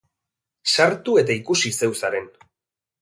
Sartu eta ikusi zeu zaren.